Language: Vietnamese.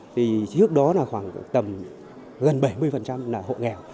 thì trước đó là khoảng tầm gần bảy mươi là hộ nghèo